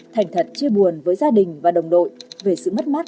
thành thật chưa buồn với gia đình và đồng đội về sự mất mắt